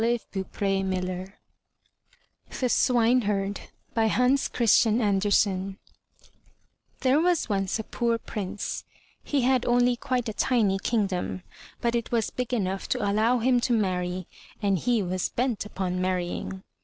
269 MY BOOK HOUSE THE SWINEHERD Hans Christian Andersen HERE was once a pcx)r Prince; he had only quite a tiny kingdom, but it was big enough to allow him to marry, and he was bent upon marrying.